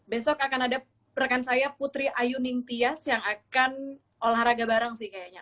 besok akan ada rekan saya putri ayu ningtyas yang akan olahraga bareng sih kayaknya